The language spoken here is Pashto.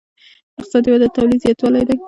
اقتصادي وده د تولید زیاتوالی دی.